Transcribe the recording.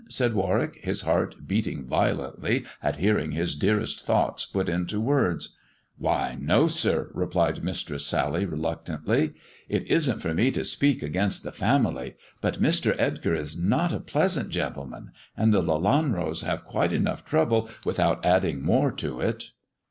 said Warwick, his heart beating violently at hearing his dearest thoughts put into words. " Why, no, sir," replied Mistress Sally reluctantly. " It isn't for me to speak against the family ; but Mr. Edgar is not a pleasant gentleman, and the Lelanros have quite enough trouble without adding more to it."